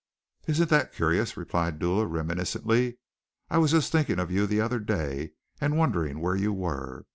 "Isn't that curious," replied Dula reminiscently, "I was just thinking of you the other day and wondering where you were.